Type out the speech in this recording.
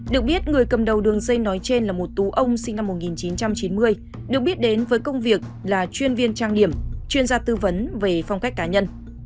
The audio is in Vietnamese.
được biết người cầm đầu đường dây nói trên là một tú ông sinh năm một nghìn chín trăm chín mươi được biết đến với công việc là chuyên viên trang điểm chuyên gia tư vấn về phong cách cá nhân